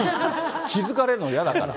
気付かれるの嫌だから。